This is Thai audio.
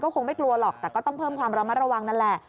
คงไม่กลัวหรอกแต่ก็ต้องเพิ่มความระมัดระวังนั่นแหละ